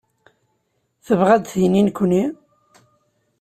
Tebɣa ad d-tini nekkni?